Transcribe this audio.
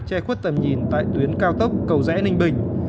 che khuất tầm nhìn tại tuyến cao tốc cầu rẽ ninh bình